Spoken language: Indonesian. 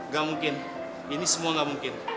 gak mungkin ini semua nggak mungkin